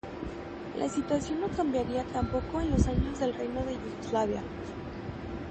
La situación no cambiaría tampoco en los años del Reino de Yugoslavia.